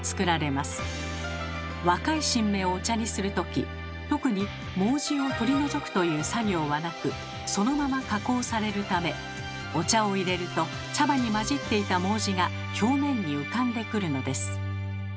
若い新芽をお茶にする時特に毛茸を取り除くという作業はなくそのまま加工されるためお茶をいれると茶葉に交じっていた毛茸が表面に浮かんでくるのです。